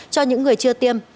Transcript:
cho những người chưa tiêm